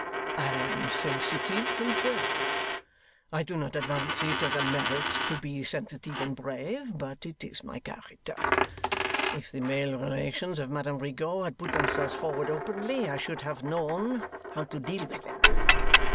'I am sensitive and brave. I do not advance it as a merit to be sensitive and brave, but it is my character. If the male relations of Madame Rigaud had put themselves forward openly, I should have known how to deal with them.